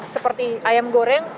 seperti ayam goreng